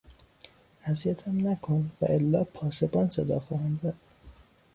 اذیتم نکن والا پاسبان صدا خواهم زد.